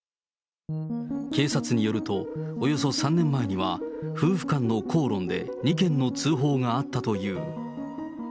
警察によると、およそ３年前には夫婦間の口論で２件の通報があったという。